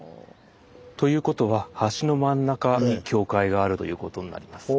ということは橋の真ん中に境界があるということになります。